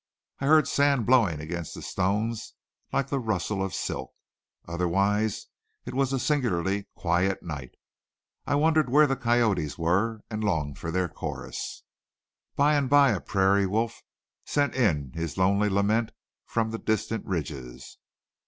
I heard sand blowing against the stones like the rustle of silk. Otherwise it was a singularly quiet night. I wondered where the coyotes were and longed for their chorus. By and by a prairie wolf sent in his lonely lament from the distant ridges.